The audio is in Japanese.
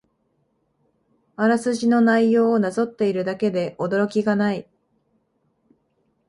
あらすじの内容をなぞっているだけで驚きがない